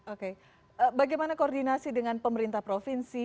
oke bagaimana koordinasi dengan pemerintah provinsi